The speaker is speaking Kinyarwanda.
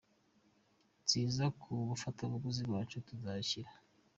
nziza ku bafatabuguzi bacu, tuzashyira.